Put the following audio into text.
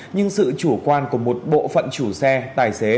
nhưng sự chủ quan của một bộ phận chủ xe tài xế